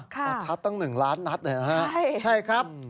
ประทัดตั้ง๑ล้านนัดเลยนะฮะใช่ครับ